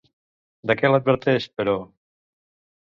De què l'adverteix, però?